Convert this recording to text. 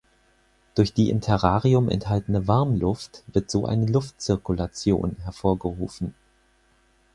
Durch die im Terrarium enthaltene Warmluft wird so eine Luftzirkulation hervorgerufen.